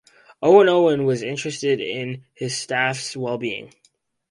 Owen Owen was interested in his staff's well-being.